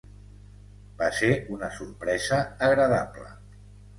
Va ser una sorpresa agradable.